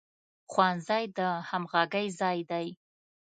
ښوونځی د همغږۍ ځای دی